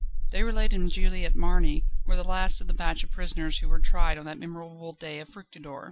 Déroulède and Juliette Marny were the last of the batch of prisoners who were tried on that memorable day of Fructidor.